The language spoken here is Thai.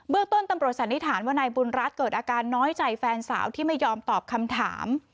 เรื่องต้นตำรวจสันนิษฐานว่านายบุญรัฐเกิดอาการน้อยใจแฟนสาวที่ไม่ยอมตอบคำถาม